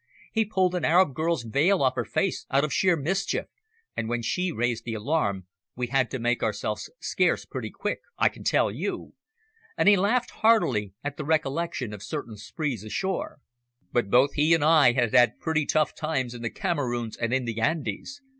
He pulled an Arab girl's veil off her face out of sheer mischief, and, when she raised the alarm, we had to make ourselves scarce, pretty quick, I can tell you," and he laughed heartily at the recollection of certain sprees ashore. "But both he and I had had pretty tough times in the Cameroons and in the Andes.